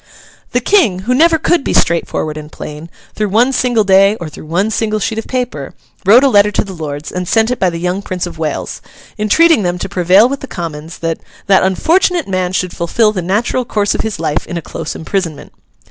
The King, who never could be straightforward and plain, through one single day or through one single sheet of paper, wrote a letter to the Lords, and sent it by the young Prince of Wales, entreating them to prevail with the Commons that 'that unfortunate man should fulfil the natural course of his life in a close imprisonment.